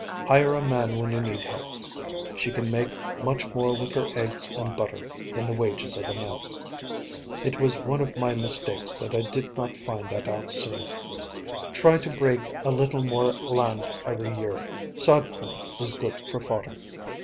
Hire a man when you need help. She can make much more with her eggs and butter than the wages of a man. It was one of my mistakes that I did not find that out sooner. Try to break a little more land every year; sod corn is good for fodder.